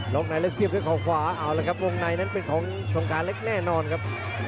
ในแล้วเสียบด้วยเขาขวาเอาละครับวงในนั้นเป็นของสงขาเล็กแน่นอนครับ